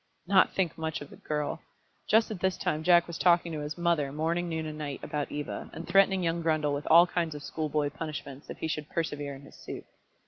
Not think much of the girl! Just at this time Jack was talking to his mother, morning, noon, and night, about Eva, and threatening young Grundle with all kinds of schoolboy punishments if he should persevere in his suit.